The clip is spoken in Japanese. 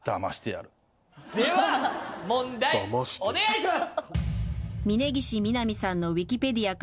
では問題お願いします。